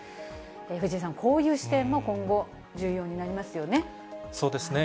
藤井さん、こういう視点も今後、重要になりますよね。